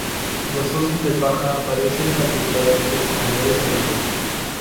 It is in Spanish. Los osos de paja aparecen particularmente en comunidades agrícolas.